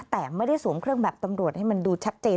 แต่ไม่ได้สวมเครื่องแบบตำรวจให้มันดูชัดเจน